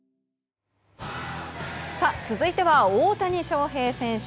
続いては大谷翔平選手。